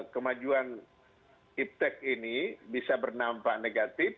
kemajuan iptec ini bisa berdampak negatif